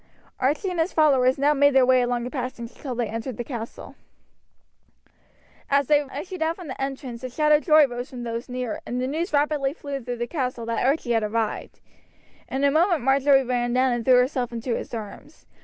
Archie and his followers now made their way along the passage until they entered the castle. As they issued out from the entrance a shout of joy rose from those near, and the news rapidly flew through the castle that Archie had arrived. In a moment Marjory ran down and threw herself into his arms.